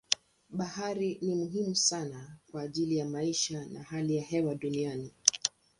Bahari ni muhimu sana kwa ajili ya maisha na hali ya hewa duniani.